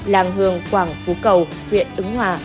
làng hương quảng phú cầu huyện ứng hòa